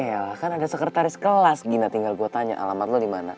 ya elah kan ada sekretaris kelas gila tinggal gue tanya alamat lo dimana